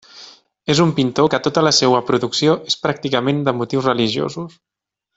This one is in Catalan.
És un pintor que tota la seua producció és pràcticament de motius religiosos.